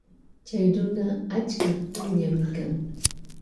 Chy runa ashta llullami kan.